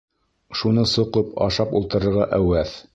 Шуны соҡоп, ашап ултырырға әүәҫ.